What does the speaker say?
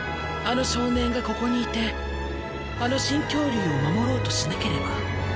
あの少年がここにいてあの新恐竜を守ろうとしなければ。